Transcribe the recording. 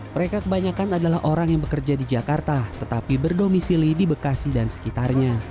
mereka kebanyakan adalah orang yang bekerja di jakarta tetapi berdomisili di bekasi dan sekitarnya